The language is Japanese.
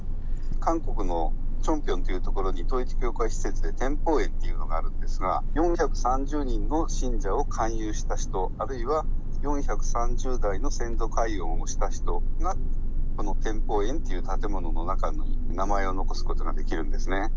韓国のチョンピョンというところに統一教会施設で、天ぽう苑っていうのがあるんですが、４３０人の信者を勧誘した人、あるいは４３０台の先祖解怨をした人が、この天寶苑という建物の中に、名前を残すことができるんですね。